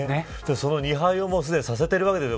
その２敗をすでにさせているわけですよ。